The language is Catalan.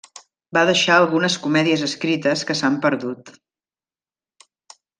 Va deixar algunes comèdies escrites que s'han perdut.